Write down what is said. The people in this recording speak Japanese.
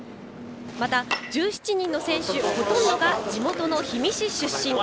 また１７人の選手ほとんどが地元の氷見市出身。